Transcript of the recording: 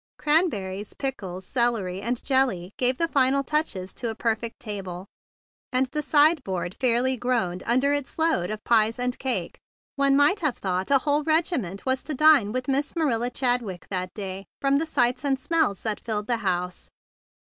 Cranberries and pickles and celery and jelly gave the final 14 THE BIG BLUE SOLDIER touches to a perfect table, and the side¬ board fairly groaned under its load of pies and cake. One might have thought a whole regiment were to dine with Miss Marilla Chadwick that day, from the sights and smells that filled the house.